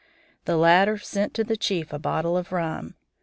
The latter sent to the chief a bottle of rum.